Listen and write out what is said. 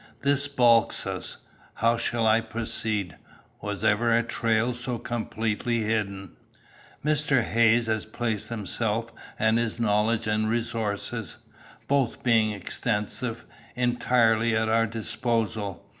This balks us. How shall I proceed? Was ever a trail so completely hidden? "Mr. Haynes has placed himself, and his knowledge and resources both being extensive entirely at our disposal.